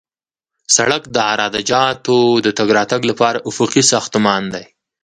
سړک د عراده جاتو د تګ راتګ لپاره افقي ساختمان دی